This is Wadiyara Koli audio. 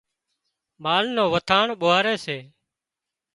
مال نُون وٿاڻ ٻوهاري سي